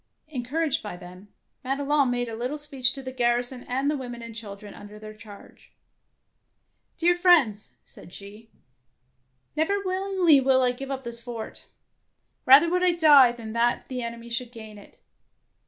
Encouraged by them, Madelon made a little speech to the garrison and the women and chil dren under their charge. '^Dear friends," said she, "never willingly will I give up the fort. Eather would I die than that the enemy should gain it.